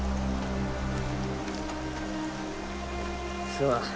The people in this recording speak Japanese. すまん。